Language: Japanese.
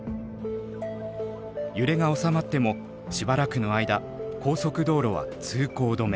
揺れがおさまってもしばらくの間高速道路は通行止め。